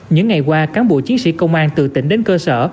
những ngày qua cán bộ chiến sĩ công an từ tỉnh đến cơ sở